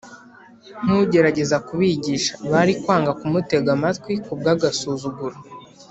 nk’ugerageza kubigisha, bari kwanga kumutega amatwi kubw’agasuzuguro